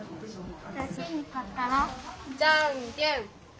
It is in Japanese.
じゃんけん。